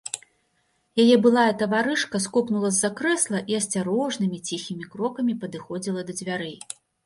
Яе былая таварышка скокнула з-за крэсла і асцярожнымі ціхімі крокамі падыходзіла да дзвярэй.